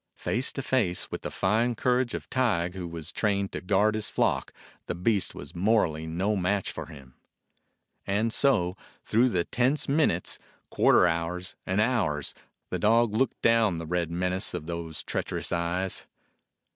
Face to face with the fine courage of Tige, who was trained to guard his flock, the beast was morally no match for him. 23 DOG HEROES OF MANY LANDS And so, through the tense minutes, quarter hours, and hours, the dog looked down the red menace of those treacherous eyes.